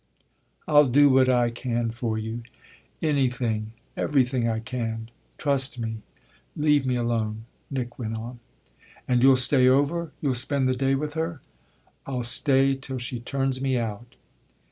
"I'll do what I can for you anything, everything I can. Trust me leave me alone," Nick went on. "And you'll stay over you'll spend the day with her?" "I'll stay till she turns me out!"